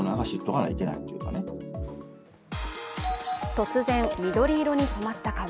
突然緑色に染まった川。